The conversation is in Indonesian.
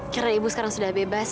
karena ibu sekarang sudah bebas